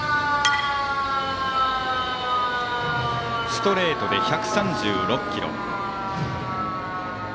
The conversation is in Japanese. ストレートで１３６キロ。